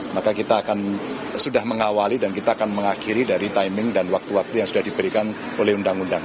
maka kita akan sudah mengawali dan kita akan mengakhiri dari timing dan waktu waktu yang sudah diberikan oleh undang undang